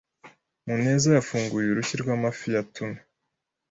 Muneza yafunguye urushyi rwamafi ya tuna.